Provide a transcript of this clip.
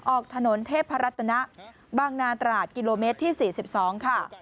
ออกถนนเทพรัตนะบางนาตราดกิโลเมตรที่๔๒ค่ะ